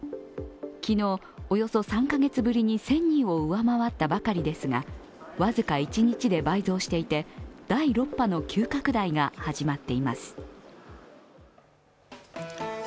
昨日、およそ３カ月ぶりに１０００人を上回ったばかりですが、僅か一日で倍増していて第６波の急拡大が始まっています。